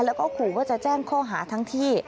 แล้วก็ขู่ว่าจะแจ้งข้อหาทั้งที่